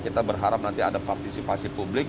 kita berharap nanti ada partisipasi publik